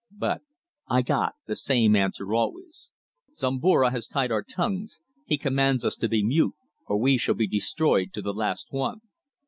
But I got the same answer always. "Zomara has tied our tongues. He commands us to be mute, or we shall be destroyed to the last one."